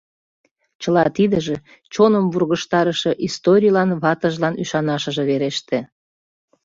Чыла тиде чоным вургыжтарыше историйлан ватыжлан ӱшанашыже вереште.